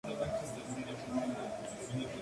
De la Asociación Cultural de Langa del Castillo.